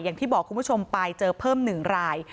อย่างที่บอกคุณผู้ชมไปเจอเพิ่ม๑ราย